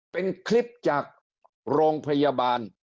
เป็นคลิปจากโรงพยาบาล